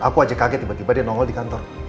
aku aja kaget tiba tiba dia nongol di kantor